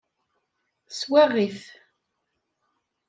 Teswaɣ-it.